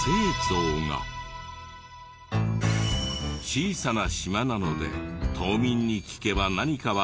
小さな島なので島民に聞けば何かわかるはず。